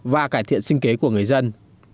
và cải thiện sinh kế của người dân